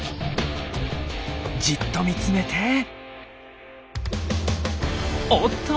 じっと見つめておっと！